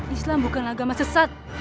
islam bukan agama sesat